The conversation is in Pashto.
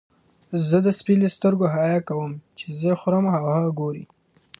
زه د سپي له سترګو حیا کوم چې زه خورم او هغه ګوري.